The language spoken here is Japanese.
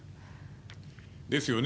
ですよね。